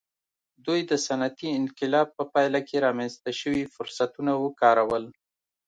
دوی د صنعتي انقلاب په پایله کې رامنځته شوي فرصتونه وکارول.